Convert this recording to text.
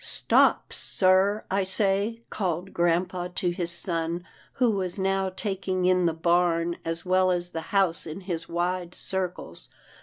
" Stop, sir, I say," called grampa to his son, who was now taking in the barn as well as the house in his wide circles.